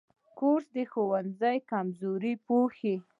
کورس د ښوونځي کمزوري پوښي.